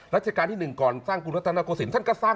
รัฐกาลที่หนึ่งก่อนสร้างกุณฆตะนากุลสินท่านก็สร้าง